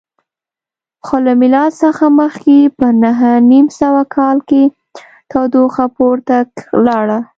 خو له میلاد څخه مخکې په نهه نیم سوه کال کې تودوخه پورته لاړه